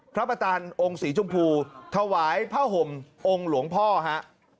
พระประธานองค์สีชมพูถวายผ้าห่มองค์หลวงพ่อฮะ